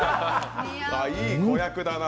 いい子役だな。